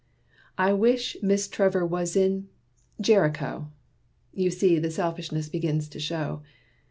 I wish Miss Trevor was in Jericho! (You see the selfishness begins to show.)